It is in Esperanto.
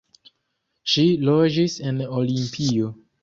Ŝi loĝis en Olimpio.